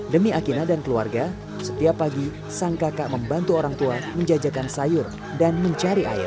demi akina dan keluarga setiap pagi sang kakak membantu orang tua menjajakan sayur dan mencari air